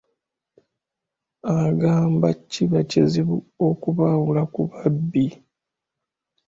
Agamba kiba kizibu okubaawula ku babbi.